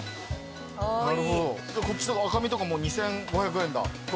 こっちの赤身とか２，５００円だ。